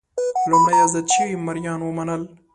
لومړی ازاد شوي مریان ومنل.